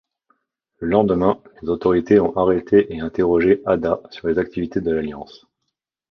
Le lendemain, les autorités ont arrêté et interrogé Hada sur les activités de l'Alliance.